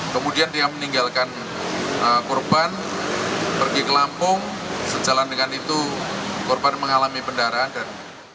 kemudian dia meninggalkan korban pergi ke lampung sejalan dengan itu korban mengalami pendarahan dan